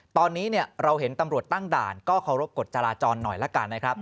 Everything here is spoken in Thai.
ตอนนี้เราเห็นตำรวจตั้งด่านก็เคารพกฎจราจรหน่อยละกันนะครับ